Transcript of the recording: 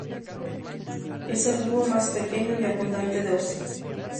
Es el búho más pequeño y abundante de Australia.